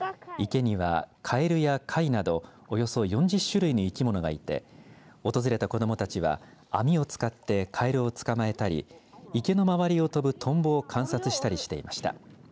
池には、カエルや貝などおよそ４０種類の生き物がいて訪れた子どもたちは網を使ってカエルを捕まえたり池の周りを飛ぶとんぼを観察したりしていました。